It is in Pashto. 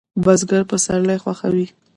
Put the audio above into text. بزګر پسرلی خوښوي